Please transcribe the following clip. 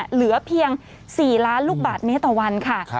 เหลือเพียง๔ล้านลูกบาทเมตรต่อวันค่ะ